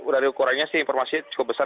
dari ukurannya sih informasinya cukup besar